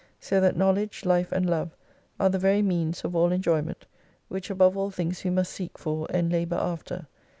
So that Knowledge, Life, and Love are the very means of all enjoyment, which above all things we must seek for and labour after.